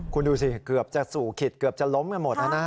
คุณดูสิเกือบจะสู่ขิตเกือบจะล้มกันหมดนะฮะ